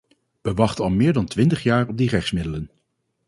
We wachten al meer dan twintig jaar op die rechtsmiddelen.